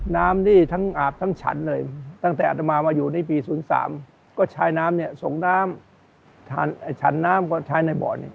น้ำนี่ทั้งอาบทั้งฉันเลยตั้งแต่อัตมามาอยู่นี่ปี๐๓ก็ใช้น้ำเนี่ยส่งน้ำฉันน้ำก็ใช้ในบ่อนี้